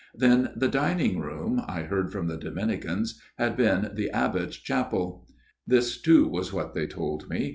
"Then the dining room, I heard from the Dominicans, had been the abbot's chapel. This, too, was what they told me.